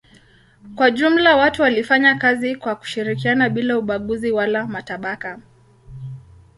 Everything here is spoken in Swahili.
Kwa jumla watu walifanya kazi kwa kushirikiana bila ubaguzi wala matabaka.